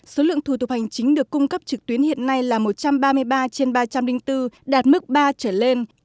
sau đó số lượng thủ tục hành chính được cung cấp trực tuyến hiện nay là một trăm ba mươi ba trên ba trăm linh đinh tư đạt mức ba trở lên